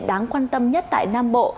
đáng quan tâm nhất tại nam bộ